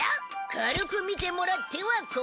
軽く見てもらっては困る。